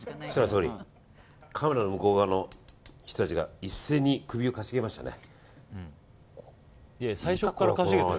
総理カメラの向こう側の人たちが一斉に首をかしげましたね。